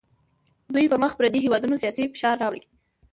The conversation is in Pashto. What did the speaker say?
دوی په مخ پر ودې هیوادونو سیاسي فشار راوړي